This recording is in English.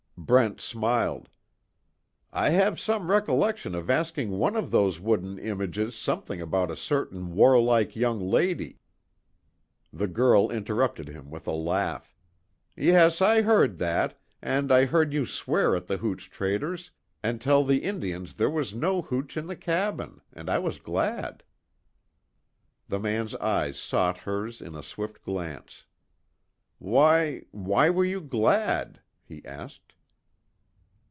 Brent smiled: "I have some recollection of asking one of those wooden images something about a certain warlike young lady " The girl interrupted him with a laugh: "Yes, I heard that, and I heard you swear at the hooch traders, and tell the Indians there was no hooch in the cabin, and I was glad." The man's eyes sought hers in a swift glance: "Why why were you glad?" he asked.